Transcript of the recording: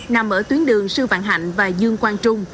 nằm ở tuyến đường sư vạn hạnh và dương quang trung